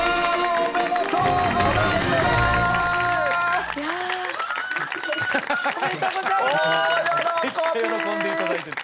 おめでとうございます。